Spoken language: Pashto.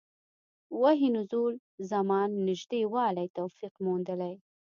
وحي نزول زمان نژدې والی توفیق موندلي.